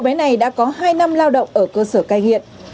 bé này đã có hai năm lao động ở cơ sở cai nghiện